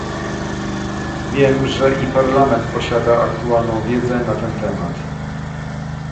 Wiem, że i Parlament posiada aktualną wiedzę na ten temat